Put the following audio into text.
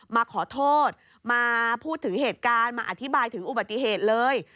มาขอโทษมาพูดถึงเหตุการณ์มาอธิบายถึงอุบัติเหตุเลย